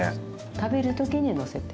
食べる時にのせて。